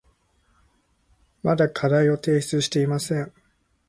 まだ課題を提出していません。